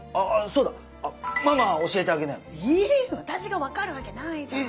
私が分かるわけないじゃん！